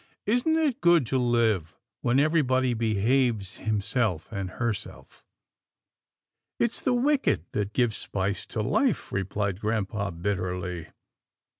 isn't it good to live when everybody behaves him self and herself ?"" It's the wicked that give spice to life," replied grampa, bitterly.